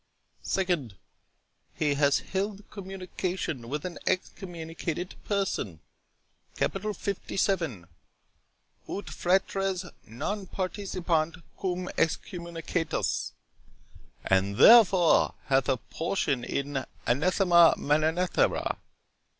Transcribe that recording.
—2d, He hath held communication with an excommunicated person, capital 57, 'Ut fratres non participent cum excommunicatis', and therefore hath a portion in 'Anathema Maranatha'.